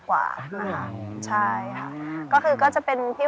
ชื่องนี้ชื่องนี้ชื่องนี้ชื่องนี้ชื่องนี้